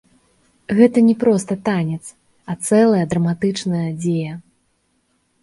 Гэта не проста танец, а цэлая драматычная дзея.